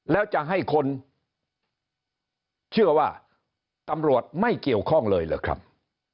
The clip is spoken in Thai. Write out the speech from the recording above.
แล้วจะให้คนเชื่อว่าตำรวจไม่เกี่ยวข้องเลยเหรอครับ